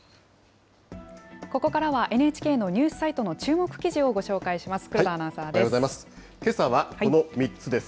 ここからはＮＨＫのニュースサイトの注目記事をご紹介します。